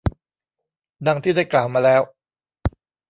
ดังที่ได้กล่าวมาแล้ว